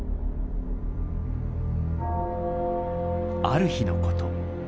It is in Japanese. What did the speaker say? ある日のこと。